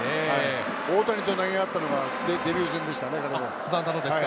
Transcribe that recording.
大谷と投げ合ったのがデビュー戦でしたね。